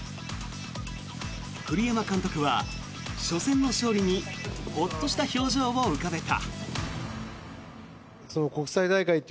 栗山監督は初戦の勝利にホッとした表情を浮かべた。